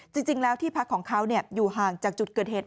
จริงแล้วที่พักของเขาอยู่ห่างจากจุดเกิดเหตุ